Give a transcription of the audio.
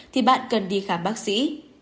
thì bạn cần đi khám bác sĩ